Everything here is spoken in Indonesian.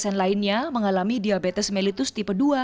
sekitar enam puluh lainnya mengalami diabetes melitus tipe dua